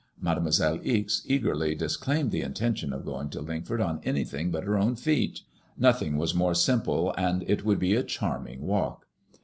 Mademoiselle Ixe eagerly dis claimed the intention of going to Lingford on anything but her own feet. Nothing was more simple, and it would be a charm ing walk.